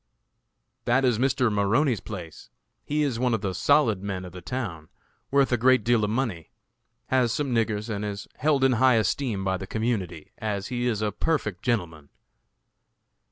"That is Mr. Maroney's place. He is one of the 'solid' men of the town; worth a great deal of money; has some niggers, and is held in high esteem by the community, as he is a perfect gentleman."